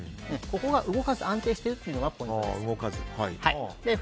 ここが動かず安定しているのがポイントです。